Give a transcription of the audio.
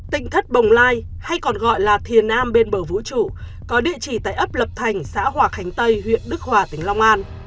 tỉnh thất bồng lai hay còn gọi là thiền nam bên bờ vũ trụ có địa chỉ tại ấp lập thành xã hòa khánh tây huyện đức hòa tỉnh long an